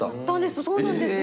そうなんですよ。